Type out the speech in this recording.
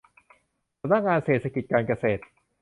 สำนักงานเศรษฐกิจการเกษตร